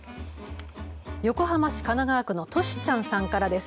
横浜市神奈川区のとしちゃんさんからです。